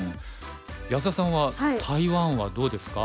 安田さんは台湾はどうですか？